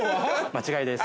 ◆間違いです。